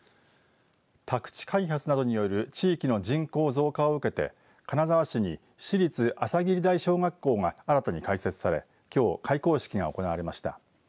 宅地開発などによる地域の人口増加を受けて金沢市に市立朝霧台小学校が新たに開設されきょう開校式が行われました。